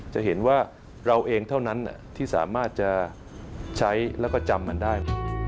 จะเห็นว่าเราเองเท่านั้นที่สามารถจะใช้แล้วก็จำมันได้